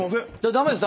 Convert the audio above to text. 駄目です。